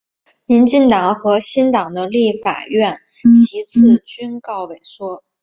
民进党和新党的立法院席次均告萎缩。